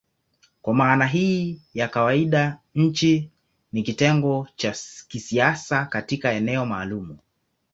Kwa maana hii ya kawaida nchi ni kitengo cha kisiasa katika eneo maalumu.